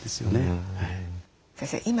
先生